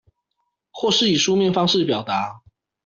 或是以書面方式表達